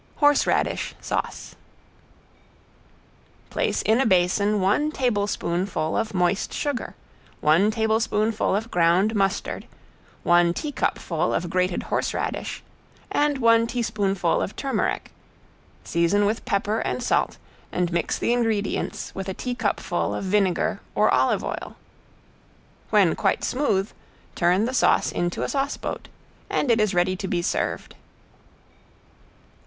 ~HORSERADISH SAUCE~ Place in a basin one tablespoonful of moist sugar, one tablespoonful of ground mustard, one teacupful of grated horseradish, and one teaspoonful of turmeric, season with pepper and salt and mix the ingredients with a teacupful of vinegar or olive oil. When quite smooth, turn the sauce into a sauceboat, and it is ready to be served.